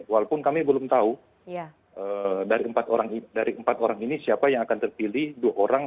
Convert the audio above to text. walaupun kami belum tahu dari empat orang ini siapa yang akan terpilih dua orang